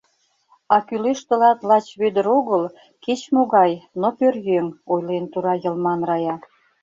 А кӱлеш тылат лач Вӧдыр огыл, кеч-могай, но пӧръеҥ, — ойлен тура йылман Рая.